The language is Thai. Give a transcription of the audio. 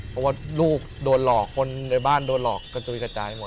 เพราะว่าลูกโดนหลอกคนในบ้านโดนหลอกกระจุยกระจายหมด